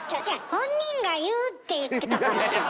本人が言うって言ってたからさ。